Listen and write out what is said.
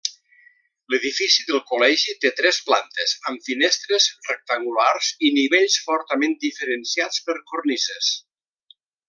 L'edifici del col·legi té tres plantes amb finestres rectangulars i nivells fortament diferenciats per cornises.